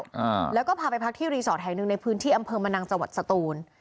อ่าแล้วก็พาไปพักที่รีสอร์ทแห่งหนึ่งในพื้นที่อำเภอมะนังจังหวัดสตูน